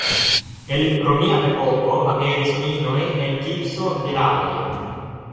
El romia epoko aperis minoj el gipso, vilaoj.